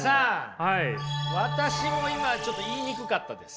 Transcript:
私も今ちょっと言いにくかったです。